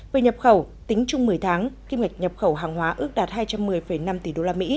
về nhập khẩu tính chung một mươi tháng kim ngạch nhập khẩu hàng hóa ước đạt hai trăm một mươi năm tỷ usd